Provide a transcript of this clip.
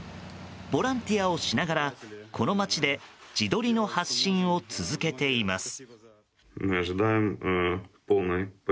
ボランティアをしながらこの街で自撮りの発信を続けています。